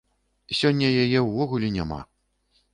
Сёння яе ўвогуле няма.